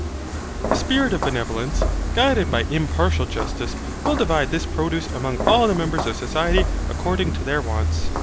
The spirit of benevolence, guided by impartial justice, will divide this produce among all the members of the society according to their wants.